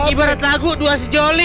ibarat lagu dua sejoli